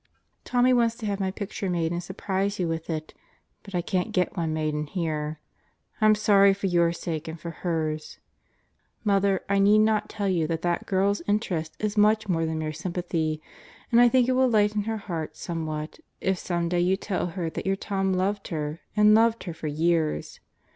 ... Tommie wanted to have my picture made and surprise you with it. But I can't get one made in here. I'm sorry for your sake and hers. Mother, I need not tell you that that girl's interest is much more than mere sympathy. And I think it will lighten her heart somewhat if some day you tell her that your Tom loved her and loved her for years!